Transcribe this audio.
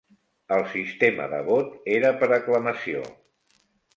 El sistema de vot era per aclamació.